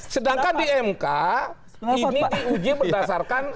sedangkan di mk ini diuji berdasarkan